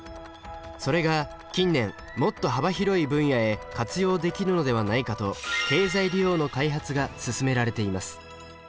それが近年もっと幅広い分野へ活用できるのではないかと経済利用の開発が進められています。